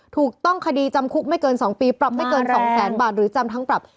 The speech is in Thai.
ถูกต้องคดีจำคุกไม่เกิน๒ปีปรับไม่เกิน๒แสนบาทหรือจำทั้งปรับ